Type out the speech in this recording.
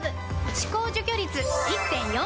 歯垢除去率 １．４ 倍！